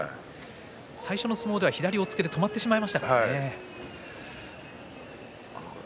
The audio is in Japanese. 最初の相撲では左押っつけで止まってしまいましたからね。